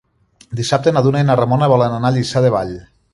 Dissabte na Duna i na Ramona volen anar a Lliçà de Vall.